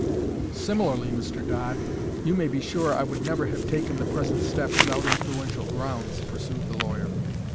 "Similarly, Mr. Dodd, you may be sure I would never have taken the present step without influential grounds," pursued the lawyer.